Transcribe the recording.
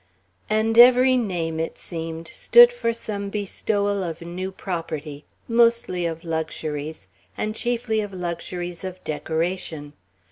And every name, it seemed, stood for some bestowal of new property, mostly of luxuries, and chiefly of luxuries of decoration.